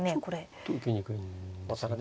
ちょっと受けにくいんですね。